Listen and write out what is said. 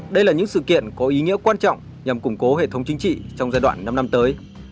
đây là những sự kiện có ý nghĩa quan trọng nhằm củng cố hệ thống chính trị trong giai đoạn năm năm tới